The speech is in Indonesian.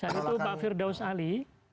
saat itu pak firdaus ali